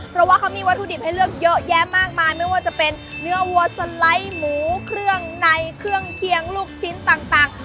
เพราะว่าเขามีวัตถุดิบให้เลือกเยอะแยะมากมายไม่ว่าจะเป็นเนื้อวัวสไลด์หมูเครื่องในเครื่องเคียงลูกชิ้นต่าง